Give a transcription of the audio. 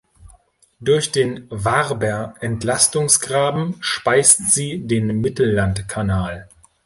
Durch den Warber-Entlastungsgraben speist sie den Mittellandkanal.